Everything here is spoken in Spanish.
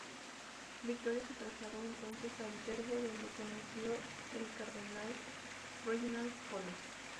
Vittoria se trasladó entonces a Viterbo, donde conoció al cardenal Reginald Pole.